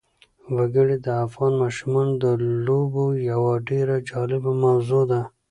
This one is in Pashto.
وګړي د افغان ماشومانو د لوبو یوه ډېره جالبه موضوع ده.